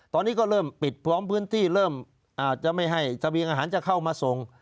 ตอนนี้ก็เริ่มปิดพร้อมพื้นที่เริ่มอาจจะไม่ให้ทะเบียงอาหารจะเข้ามาส่ง